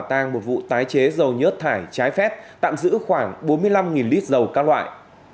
tăng một vụ tái chế dầu nhớt thải trái phép tạm giữ khoảng bốn mươi năm lít dầu các loại